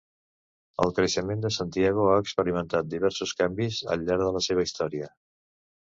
El creixement de Santiago ha experimentat diversos canvis al llarg de la seva història.